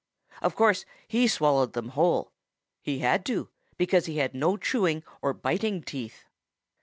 Of course he swallowed them whole. He had to, because he had no chewing or biting teeth.